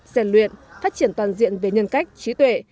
rèn luyện phát triển toàn diện về nhân cách trí tuệ